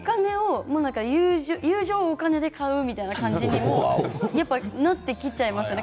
友情をお金で買うみたいな感じになってきちゃいますよね。